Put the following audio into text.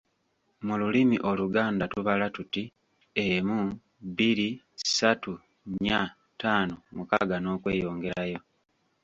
Mu lulimi Oluganda tubala tuti “emu, bbiri, satu, nnya, ttaano, mukaaga, n'okweyongerayo.